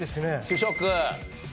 主食。